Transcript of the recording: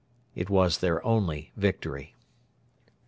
It was their only victory.